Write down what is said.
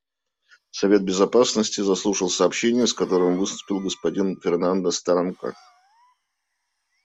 Совет Безопасности заслушал сообщение, с которым выступил господин Фернандес-Таранко.